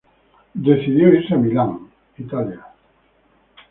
Decidió irse a Milán, Italia.